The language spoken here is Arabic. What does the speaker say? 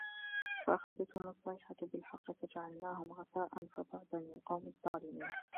فأخذتهم الصيحة بالحق فجعلناهم غثاء فبعدا للقوم الظالمين